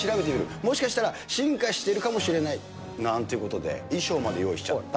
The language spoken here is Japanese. もしかしたら進化しているかもしれないなんていうことで、衣装まで用意しちゃった。